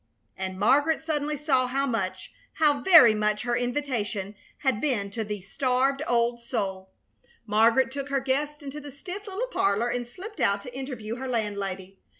And Margaret suddenly saw how much, how very much, her invitation had been to the starved old soul. Margaret took her guests into the stiff little parlor and slipped out to interview her landlady.